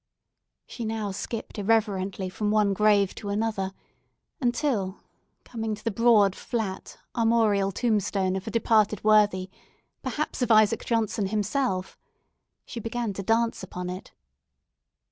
She now skipped irreverently from one grave to another; until coming to the broad, flat, armorial tombstone of a departed worthy—perhaps of Isaac Johnson himself—she began to dance upon it.